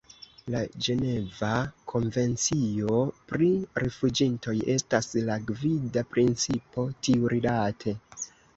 La Ĝeneva konvencio pri rifuĝintoj estas la gvida principo tiurilate.